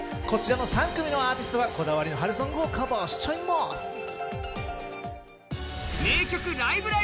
こちらの３曲のアーティストがこだわりの春ソングをカバーしちゃいまぁす。